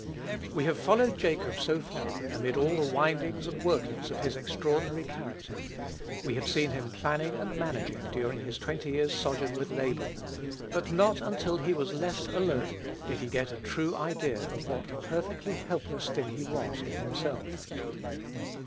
We have followed Jacob so far, amid all the windings and workings of his extraordinary character, we have seen him planning and managing during his twenty years' sojourn with Laban; but not until he "was left alone," did he get a true idea of what a perfectly helpless thing he was in himself.